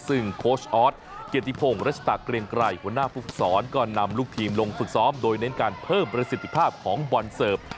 ซึ่งโค้ชออสเกียรติพงศ์รัชตาเกรียงไกรหัวหน้าผู้ฝึกศรก็นำลูกทีมลงฝึกซ้อมโดยเน้นการเพิ่มประสิทธิภาพของบอลเสิร์ฟ